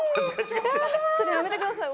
ちょっとやめてください。